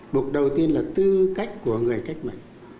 mục đầu tiên là tư cách của người cách mạng